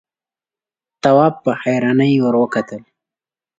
تواب په حيرانۍ ور وکتل.